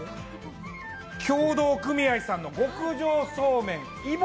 協同組合の極上そうめん揖保